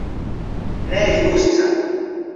Ne justa!